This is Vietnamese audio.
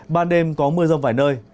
ban đêm có mưa rông vài nơi